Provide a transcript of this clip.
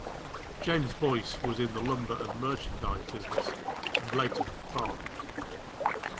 James Boyce was in the lumber and merchandise business, and later farmed.